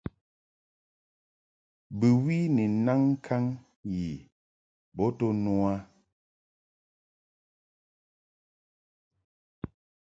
Bɨwi ni naŋ ŋkaŋ yi bo to no a.